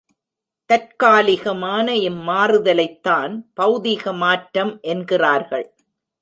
தற்காலிகமான இம் மாறுதலைத்தான் பெளதிக மாற்றம் என்கிறார்கள்.